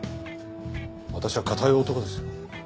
私は堅い男ですよ。